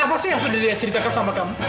apa sih yang sudah dia ceritakan sama kamu